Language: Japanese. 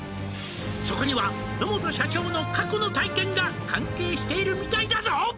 「そこには野本社長の過去の体験が関係しているみたいだぞ」